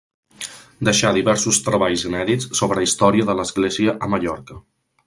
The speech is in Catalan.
Deixà diversos treballs inèdits sobre història de l'església a Mallorca.